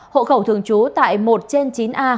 hộ khẩu thường trú tại một trên chín a